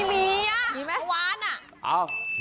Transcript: ไม่มีอ่ะขวานอ่ะมีมั้ย